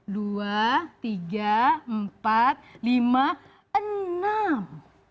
dua tiga empat lima enam